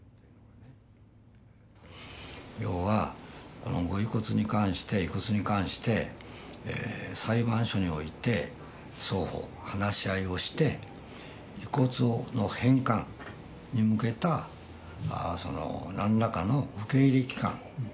要はこのご遺骨に関して遺骨に関して裁判所において双方話し合いをして遺骨の返還に向けたその何らかの受け入れ機関